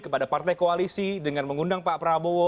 kepada partai koalisi dengan mengundang pak prabowo